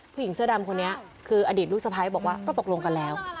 ผู้หญิงเสื้อดำคนนี้คืออดีตลูกสะพ้ายบอกว่าก็ตกลงกันแล้ว